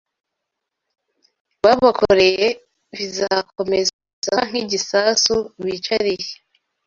babakoreye, bizakomeza kuba nk’igisasu bicariye